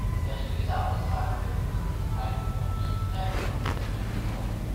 Seriöse Aussagen können wir zu diesem Zeitpunkt noch nicht treffen, konstatierte Tom.